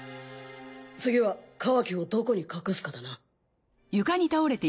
次はカワキをどこに隠すかだな。